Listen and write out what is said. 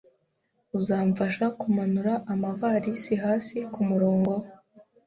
Uzamfasha kumanura amavalisi hasi kumurongo?